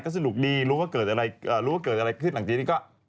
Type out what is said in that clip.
ไม่สนุกดีรู้ว่าเกิดอะไรขึ้นหลังจีน